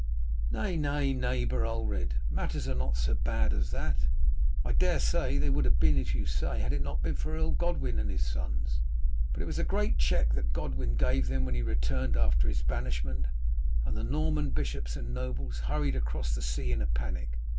"Nay, nay, neighbour Ulred, matters are not so bad as that. I dare say they would have been as you say had it not been for Earl Godwin and his sons. But it was a great check that Godwin gave them when he returned after his banishment, and the Norman bishops and nobles hurried across the seas in a panic.